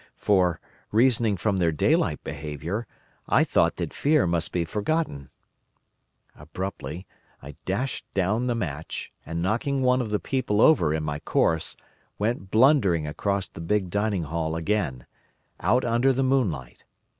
For, reasoning from their daylight behaviour, I thought that fear must be forgotten. "Abruptly, I dashed down the match, and knocking one of the people over in my course, went blundering across the big dining hall again, out under the moonlight.